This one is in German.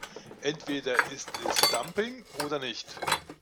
Entweder es ist Dumping oder nicht.